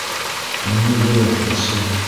Мине йөрәк борсой